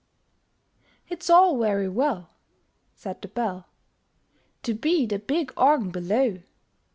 It's all very well, Said the Bell, To be the big Organ below!